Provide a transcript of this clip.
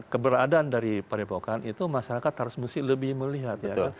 keberadaan dari padepokan itu masyarakat harus mesti lebih melihat ya